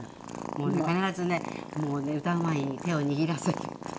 もうね必ずねもうね歌う前に手を握らせてって。